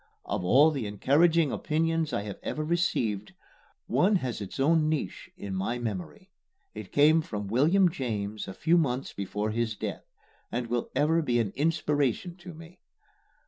Of all the encouraging opinions I have ever received, one has its own niche in my memory. It came from William James a few months before his death, and will ever be an inspiration to me.